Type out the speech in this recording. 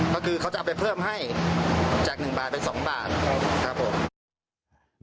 ก็คือเขาจะเอาไปเพิ่มให้จาก๑บาทไป๒บาทครับผม